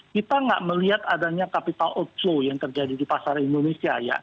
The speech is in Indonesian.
kita nggak melihat adanya capital outflow yang terjadi di pasar indonesia ya